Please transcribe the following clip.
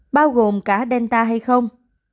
bao gồm cả delta hay không